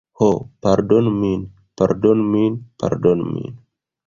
"Ho, pardonu min. Pardonu min. Pardonu min."